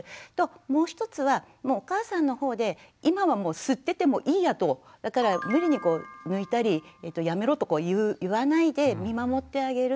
もう一つはお母さんのほうで今は吸っててもいいやとだから無理にこう抜いたりやめろと言わないで見守ってあげる。